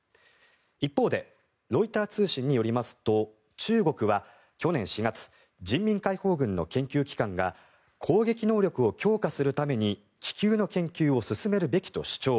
一方でロイター通信によりますと中国は去年４月人民解放軍の研究機関が攻撃能力を強化するために気球の研究を進めるべきと主張。